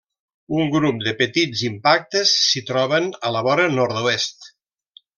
Un grup de petits impactes s'hi troben a la vora nord-oest.